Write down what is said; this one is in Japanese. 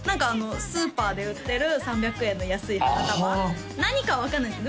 スーパーで売ってる３００円の安い花束何かは分かんないです